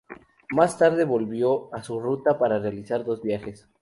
Más tarde volvió a su ruta para realizar dos viajes.